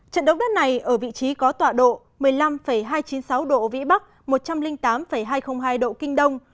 trận động đất này ở vị trí có tọa độ một mươi năm hai trăm chín mươi sáu độ vĩ bắc một trăm linh tám hai trăm linh hai độ kinh đông